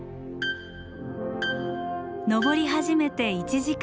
登り始めて１時間。